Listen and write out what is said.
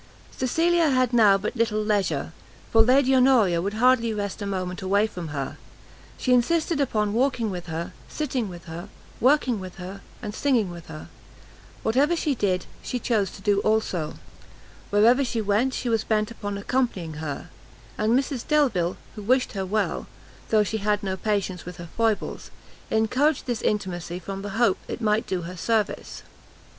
Cecilia had now but little leisure, for Lady Honoria would hardly rest a moment away from her; she insisted upon walking with her, sitting with her, working with her, and singing with her; whatever she did, she chose to do also; wherever she went, she was bent upon accompanying her; and Mrs Delvile, who wished her well, though she had no patience with her foibles, encouraged this intimacy from the hope it might do her service.